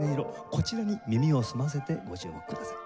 こちらに耳を澄ませてご注目ください。